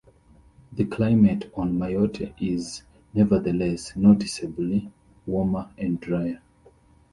The climate on Mayotte is, nevertheless, noticeably warmer and drier.